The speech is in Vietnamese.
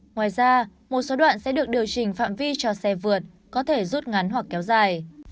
ngoài ra một số đoạn sẽ được điều chỉnh phạm vi cho xe vượt có thể rút ngắn hoặc kéo dài